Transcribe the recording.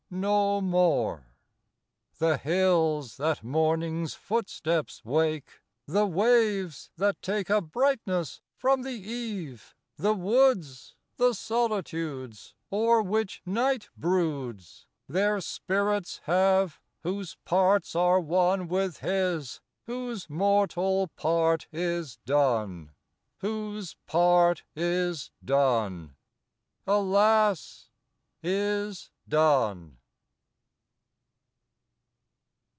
no more! IV The hills, that Morning's footsteps wake; The waves that take A brightness from the Eve; the woods, The solitudes, o'er which Night broods, Their Spirits have, whose parts are one With his, whose mortal part is done. Whose part is done; alas! is done.